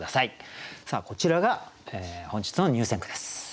こちらが本日の入選句です。